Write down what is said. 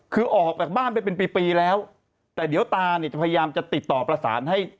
คือออกจากบ้านไปเป็นปีปีแล้วแต่เดี๋ยวตาเนี่ยจะพยายามจะติดต่อประสานให้